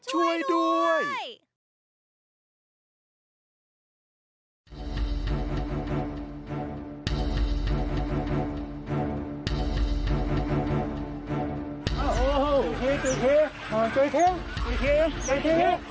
จุดที